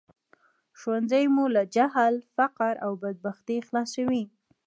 ښوونځی مو له جهل، فقر او بدبختۍ خلاصوي